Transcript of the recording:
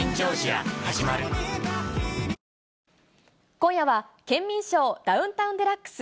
今夜はケンミンショー×ダウンタウンＤＸ